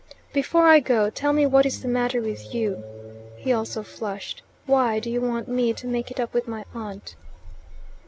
"Before I go, tell me what is the matter with you." He also flushed. "Why do you want me to make it up with my aunt?"